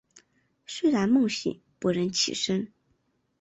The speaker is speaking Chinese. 虽然梦醒不忍起身